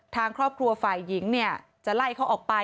ทางครอบครัวฝ่ายหญิงเนี่ยจะไล่เขาออกไป